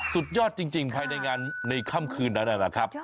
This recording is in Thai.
สุดยอดจริงภายในงานในค่ำคืนนั้นนะครับ